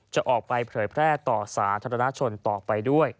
จะออกไปเผยแพร่ต่อสาธารณชนต่อไปด้วย